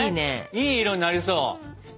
いい色になりそう。